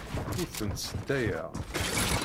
Ur tent-sseddayeɣ.